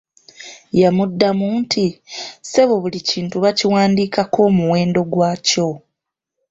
Yamuddamu nti "ssebo buli kintu baakiwandiikako omuwendo gwakyo!"